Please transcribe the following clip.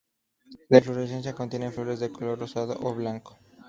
La inflorescencia contiene flores de color rosado o blanco.